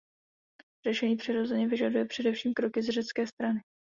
Řešení přirozeně vyžaduje především kroky z řecké strany.